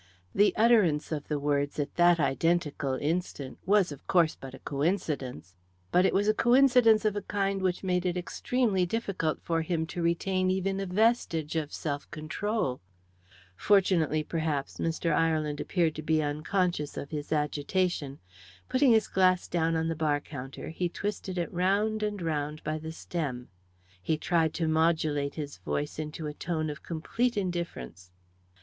The utterance of the words at that identical instant was of course but a coincidence; but it was a coincidence of a kind which made it extremely difficult for him to retain even a vestige of self control. Fortunately, perhaps, Mr. Ireland appeared to be unconscious of his agitation. Putting his glass down on the bar counter, he twisted it round and round by the stem. He tried to modulate his voice into a tone of complete indifference.